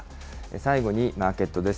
最後にマーケットです。